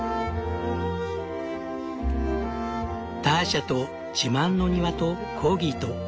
ターシャと自慢の庭とコーギーと。